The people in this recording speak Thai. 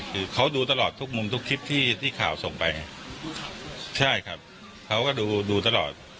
คือเขาดูตลอดทุกมุมทุกคลิปที่ที่ข่าวส่งไปใช่ครับเขาก็ดูดูตลอด